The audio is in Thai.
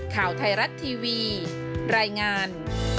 ข่าวไทยรัฐทีวีรายงาน